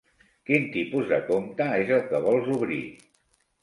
Quin tipus de compte és el que vols obrir?